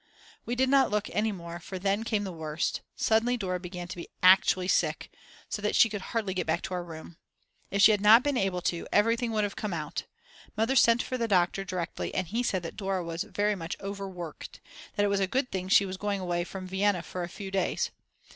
We did not look any more for then came the worst, suddenly Dora began to be actually sick, so that she could hardly get back to our room. If she had not been able to, everything would have come out. Mother sent for the doctor directly and he said that Dora was very much overworked; that it was a good thing she was going away from Vienna in a few days.